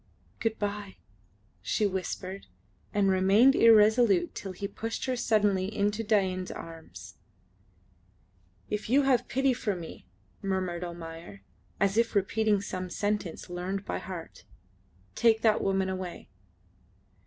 "Goodbye," she whispered, and remained irresolute till he pushed her suddenly into Dain's arms. "If you have any pity for me," murmured Almayer, as if repeating some sentence learned by heart, "take that woman away."